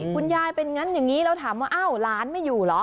คุณยายเป็นงั้นอย่างนี้แล้วถามว่าอ้าวหลานไม่อยู่เหรอ